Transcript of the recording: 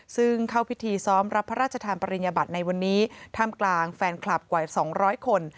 ซึ่งเข้าพิธีซ้อมรับพระราชทานปริญญบัติในวันนี้ท่ามกลางแฟนคลับกว่า๒๐๐คน